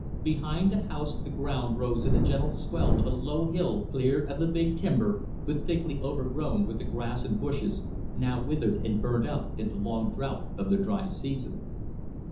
Behind the house the ground rose in a gentle swell of a low hill cleared of the big timber, but thickly overgrown with the grass and bushes, now withered and burnt up in the long drought of the dry season.